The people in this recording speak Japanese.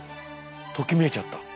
ときめいちゃった。